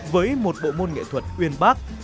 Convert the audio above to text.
với một bộ môn nghệ thuật uyên bác